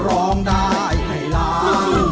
ร้องได้ให้ล้าน